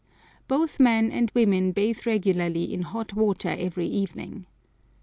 Both men and women bathe regularly in hot water every evening.